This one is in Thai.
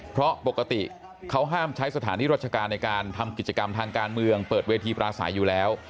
เพราะปกติเขาห้ามใช้สถานที่ราชการในการทำกิจกรรมทางการเมืองเปิดเวทีปราศัยอยู่แล้ว